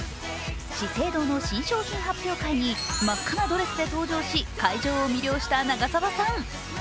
資生堂の新商品発表会に真っ赤なドレスで登場し、会場を魅了した長澤さん。